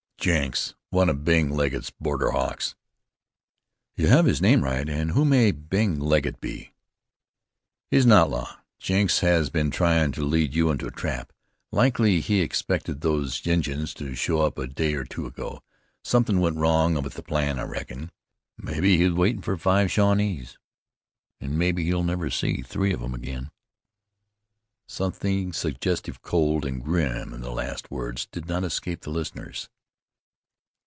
"Jenks, one of Bing Legget's border hawks." "You have his name right. And who may Bing Legget be?" "He's an outlaw. Jenks has been tryin' to lead you into a trap. Likely he expected those Injuns to show up a day or two ago. Somethin' went wrong with the plan, I reckon. Mebbe he was waitin' for five Shawnees, an' mebbe he'll never see three of 'em again." Something suggestive, cold, and grim, in the last words did not escape the listeners.